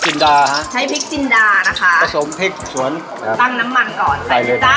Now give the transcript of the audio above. ดาฮะใช้พริกจินดานะคะผสมพริกสวนอ่าตั้งน้ำมันก่อนใส่เลยจ้า